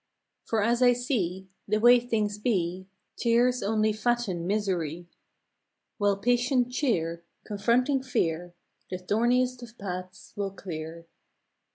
For as I see The w r ay things be Tears only fatten misery, While patient cheer Confronting fear The thorniest of paths will clear.